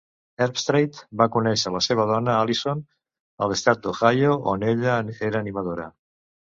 Herbstreit va conèixer la seva dona, Allison, a l'estat d'Ohio, on ella era animadora.